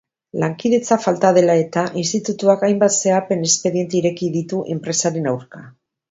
Lankidetza falta dela eta, institutuak hainbat zehapen-espediente ireki ditu enpresaren aurka.